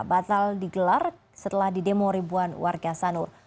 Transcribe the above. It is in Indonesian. batal digelar setelah didemo ribuan warga sanur